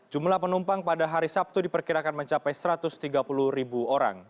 jumlah penumpang pada hari sabtu diperkirakan mencapai satu ratus tiga puluh ribu orang